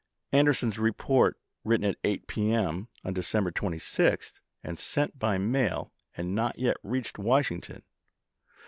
Anderson's report written at 8 p. m. on December 26th, and sent by mail, had not yet reached Wash ington.